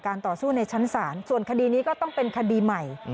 ต่อสู้ในชั้นศาลส่วนคดีนี้ก็ต้องเป็นคดีใหม่